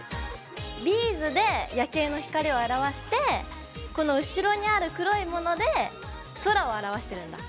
ビーズで夜景の光を表してこの後ろにある黒いもので空を表してるんだ。